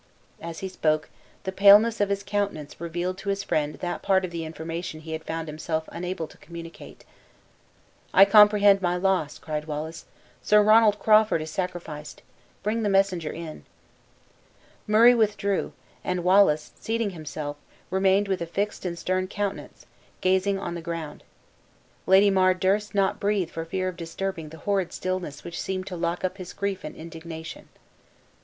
As he spoke, the paleness of his countenance revealed to his friend that part of the information he had found himself unable to communicate. "I comprehend my loss," cried Wallace; "Sir Ronald Crawford is sacrificed! Bring the messenger in." Murray withdrew; and Wallace, seating himself, remained with a fixed and stern countenance, gazing on the ground. Lady Mar durst not breathe for fear of disturbing the horrid stillness which seemed to lock up his grief and indignation.